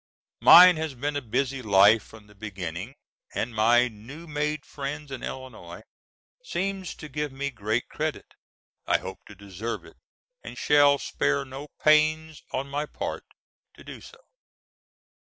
Mine has been a busy life from the beginning, and my new made friends in Illinois seem to give me great credit. I hope to deserve it, and shall spare no pains on my part to do so.